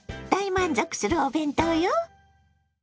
大満足するお弁当よ！